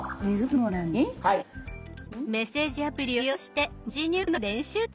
メッセージアプリを利用して文字入力の練習中。